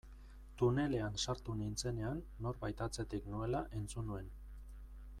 Tunelean sartu nintzenean norbait atzetik nuela entzun nuen.